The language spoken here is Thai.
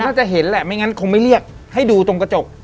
จะเห็นแหละไม่งั้นคงไม่เรียกให้ดูตรงกระจก